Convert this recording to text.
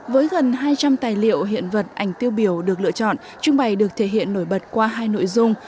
với gần hai trăm linh tài liệu hiện vật ảnh tiêu biểu được lựa chọn trưng bày được thể hiện nổi bật qua hai nội dung